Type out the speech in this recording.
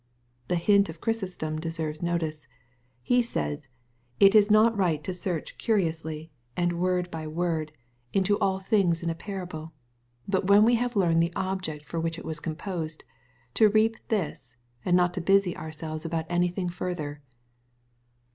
The hint of Ohrysostom deserves notice. He says, '^ It is not right to search curiously, and word by MATTHEW, CHAP. XX. 247 word, into all things in a parable ; but when \^'e have learned the object for which it was composed, to reap this, and not to busy ourselves about anything further."